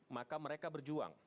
maka mereka berjuang